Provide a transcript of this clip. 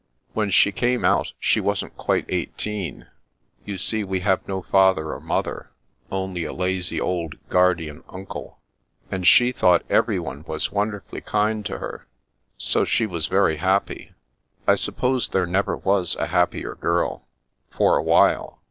When she came out she wasn't quite eighteen (you see we have no father or mother, only a lazy old guardian uncle), and she thought everyone was wonderfully kind to her, so she was very happy. I suppose there never was a happier girl — for a while.